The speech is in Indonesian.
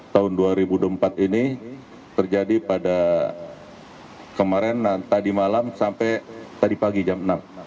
tahun dua ribu dua puluh empat ini terjadi pada kemarin tadi malam sampai tadi pagi jam enam